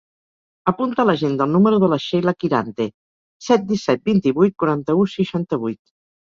Apunta a l'agenda el número de la Sheila Quirante: set, disset, vint-i-vuit, quaranta-u, seixanta-vuit.